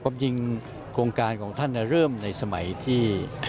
ความจริงโครงการของท่านเริ่มในสมัยที่